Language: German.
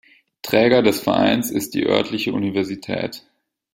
Träger des Vereins ist die örtliche Universität.